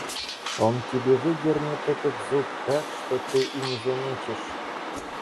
Он тебе выдернет этот зуб так, что ты и не заметишь.